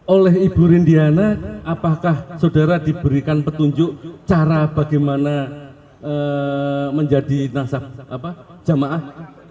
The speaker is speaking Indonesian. oleh ibu rintiana apakah saudara diberikan petunjuk cara bagaimana menjadi jemaah